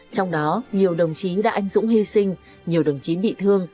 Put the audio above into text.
trong đó nhiều đồng chí đã anh dũng hy sinh nhiều đồng chí bị thương